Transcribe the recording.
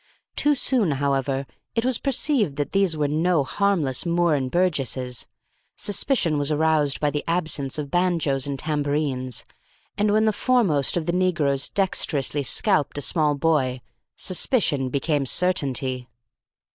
Too soon, however, it was perceived that these were no harmless Moore and Burgesses. Suspicion was aroused by the absence of banjoes and tambourines; and when the foremost of the negroes dexterously scalped a small boy, suspicion became certainty.